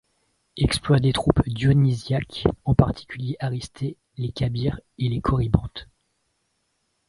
Exploits des troupes dionysiaques, en particulier Aristée, les Cabires et les Corybantes.